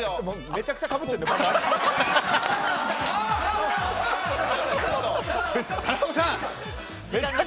めちゃくちゃかぶってるよ